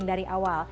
ini dari awal